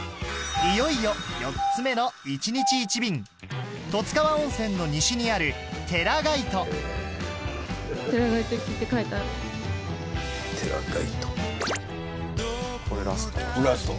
いよいよ４つ目の１日１便十津川温泉の西にある寺垣内これラスト。